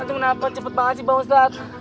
aduh kenapa cepat banget sih bang ustaz